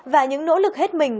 và những nỗ lực hết mình